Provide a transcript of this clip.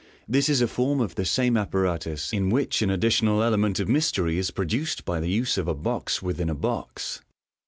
— This is a form of the same apparatus, in which an additional elemc nt of mystery is pro duced by the use of a box within a box.